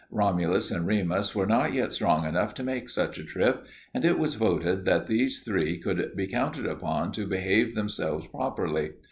Romulus and Remus were not yet strong enough to make such a trip and it was voted that these three could be counted upon to behave themselves properly.